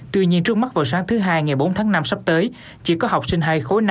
tuy nhiên trước mắt vào sáng thứ hai ngày bốn tháng năm sắp tới chỉ có học sinh hai khối năm